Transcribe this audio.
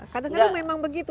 kadang kadang memang begitu